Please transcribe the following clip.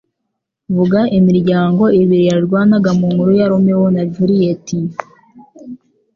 Vuga Imiryango ibiri Yarwanaga Mu Nkuru ya Romeo & Juliet